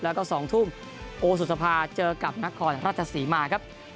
แล้วก็๒ทุ่มโอสุสภาเจอกับนครราชศรีมาครับ